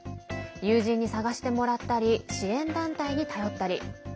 友人に探してもらったり支援団体に頼ったり。